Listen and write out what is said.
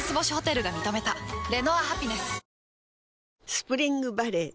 スプリングバレー